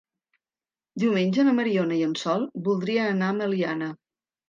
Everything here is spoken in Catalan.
Diumenge na Mariona i en Sol voldrien anar a Meliana.